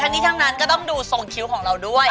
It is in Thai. แต่ทั้งนี้ทั้งนั้นก็ต้องดูโทษคิ้วของเราด้วย